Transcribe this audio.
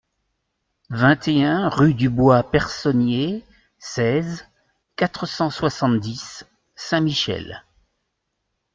vingt et un rue du Bois Personnier, seize, quatre cent soixante-dix, Saint-Michel